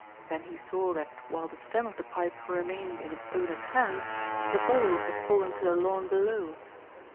Then he saw that while the stem of the pipe remained in its owner's hand the bowl had fallen to the lawn below.